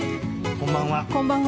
こんばんは。